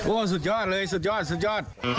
โอ้สุดยอดเลยสุดยอด